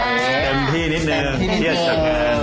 เต็มที่นิดนึงเทียดจัง